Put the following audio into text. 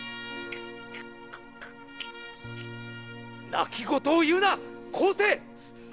泣き言を言うな昴生！